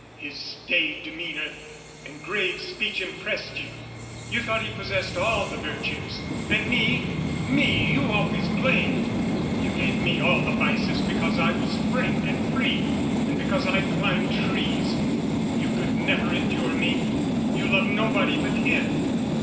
His staid demeanour and grave speech impressed you; you thought he possessed all the virtues. And me, me you always blamed, you gave me all the vices, because I was frank and free, and because I climbed trees. You could never endure me. You loved nobody but him.